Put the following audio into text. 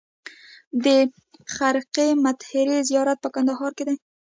د خرقې مطهرې زیارت په کندهار کې دی